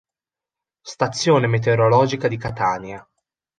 Stazione meteorologica di Catania